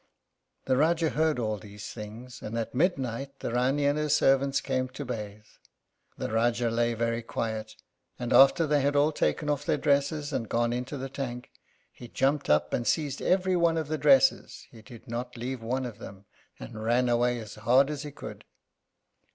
The Rájá heard all these things, and at midnight the Rání and her servants came to bathe. The Rájá lay very quiet, and after they all had taken off their dresses and gone into the tank, he jumped up and seized every one of the dresses, he did not leave one of them, and ran away as hard as he could.